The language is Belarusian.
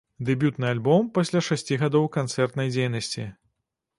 Дэбютны альбом, пасля шасці гадоў канцэртнай дзейнасці.